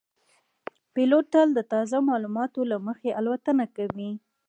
پیلوټ تل د تازه معلوماتو له مخې الوتنه کوي.